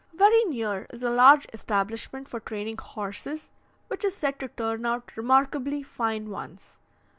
Very near is a large establishment for training horses, which is said to turn out remarkably fine ones.